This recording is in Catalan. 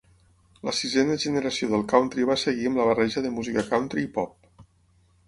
La sisena generació del country va seguir amb la barreja de música country i pop.